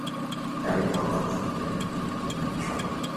There are four local squares, three smaller ones and the bigger Kortedala Torg.